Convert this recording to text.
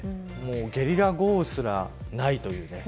ゲリラ豪雨すらないという。